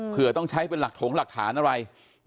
เพื่อต้องใช้เป็นหลักถงหลักฐานอะไร